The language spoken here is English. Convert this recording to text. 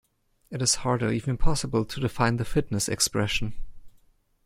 It is hard or even impossible to define the fitness expression.